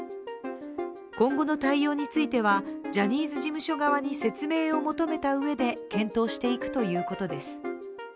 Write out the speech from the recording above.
今後の対応については、ジャニーズ事務所側に説明を求めたうえで検討していくということです。